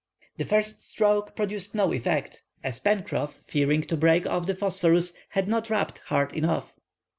The first stroke produced no effect, as Pencroff fearing to break off the phosphorus had not rubbed hard enough.